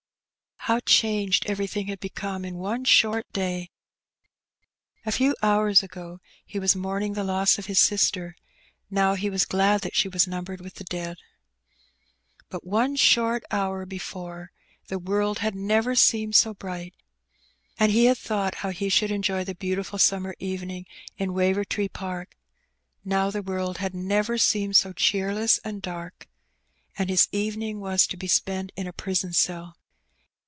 How changed everything had become in one short day ! A few hours ago he was mourning the loss of his sister; now he was glad that she was numbered with the dead. 166 Heb Benny. But one short hour before the world had never seemed so bright, and he had thought how he should enjoy the beau tiful summer evening in Wavertree Park; now the world had never seemed so cheerless and dark, and his evening was to be spent in a prison cell.